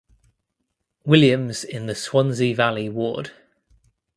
Williams in the Swansea Valley ward.